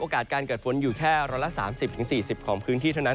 โอกาสการเกิดฝนอยู่แค่ร้อนละ๓๐๔๐ของพื้นที่เท่านั้น